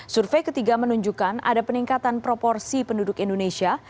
survei ketiga menunjukkan ada peningkatan proporsi penduduk indonesia